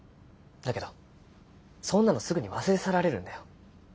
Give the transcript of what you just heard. だけどそんなのすぐに忘れ去られるんだよ。